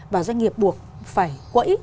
và doanh nghiệp buộc phải quẫy